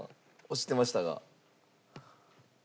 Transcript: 押してましたが。